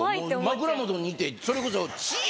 枕元にいてそれこそチュ‼